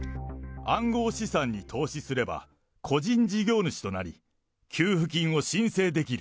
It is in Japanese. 暗号資産に投資すれば、個人事業主となり、給付金を申請でき